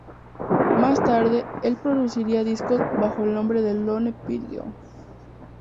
Más tarde el produciría discos bajo el nombre de Lone Pidgeon.